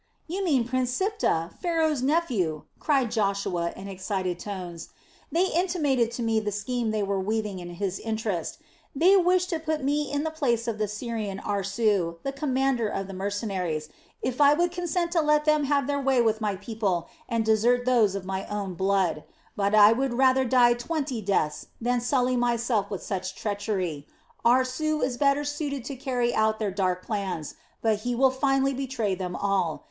"You mean Prince Siptah, Pharaoh's nephew!" cried Joshua in excited tones. "They intimated to me the scheme they were weaving in his interest; they wished to put me in the place of the Syrian Aarsu, the commander of the mercenaries, if I would consent to let them have their way with my people and desert those of my own blood. But I would rather die twenty deaths than sully myself with such treachery. Aarsu is better suited to carry out their dark plans, but he will finally betray them all.